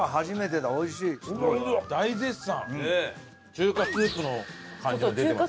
中華スープの感じが出てますね。